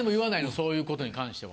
そういう事に関しては。